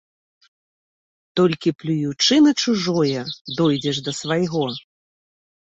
Толькі плюючы на чужое, дойдзеш да свайго.